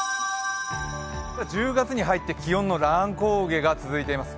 １０月に入って気温の乱高下が続いています。